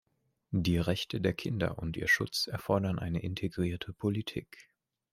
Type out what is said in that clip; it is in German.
Die Rechte der Kinder und ihr Schutz erfordern eine integrierte Politik.